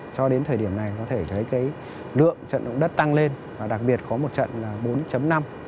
cho đến thời điểm này có thể thấy lượng trận động đất tăng lên và đặc biệt có một trận là bốn năm